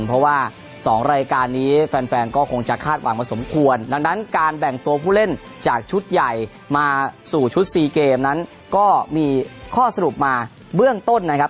เพราะว่า๒รายการนี้แฟนก็คงจะคาดหวังมาสมควรดังนั้นการแบ่งตัวผู้เล่นจากชุดใหญ่มาสู่ชุด๔เกมนั้นก็มีข้อสรุปมาเบื้องต้นนะครับ